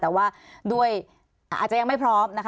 แต่ว่าด้วยอาจจะยังไม่พร้อมนะคะ